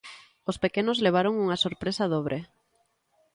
Os pequenos levaron unha sorpresa dobre.